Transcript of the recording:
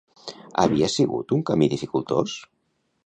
Havia sigut un camí dificultós?